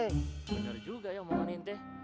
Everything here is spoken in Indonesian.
bener juga ya om om mani inti